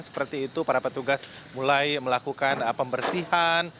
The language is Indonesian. seperti itu para petugas mulai melakukan pembersihan